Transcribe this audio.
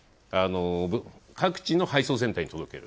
各地の配送センターに届ける。